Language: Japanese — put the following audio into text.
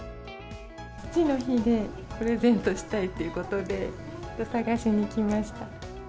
父の日で、プレゼントしたいということで、探しに来ました。